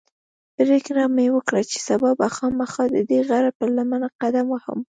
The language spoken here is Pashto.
پرېکړه مې وکړه چې سبا به خامخا ددې غره پر لمنه قدم وهم.